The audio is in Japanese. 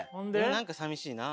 何かさみしいな。